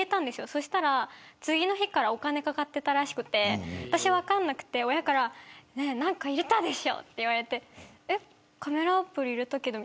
そしたら、次の日からお金がかかってたらしくて私、分かんなくて、親から何か入れたでしょって言われてえっ、カメラアプリ入れたけど。